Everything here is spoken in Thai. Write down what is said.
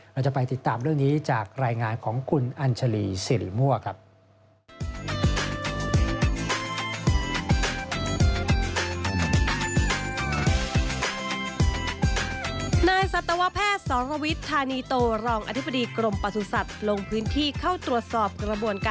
เราจะไปติดตามเรื่องนี้จากรายงานของคุณอัญชาลีสิริมั่วครับ